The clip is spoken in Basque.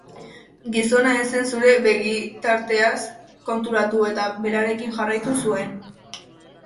Gizona ez zen zure begitarteaz konturatu eta berearekin jarraitu zuen.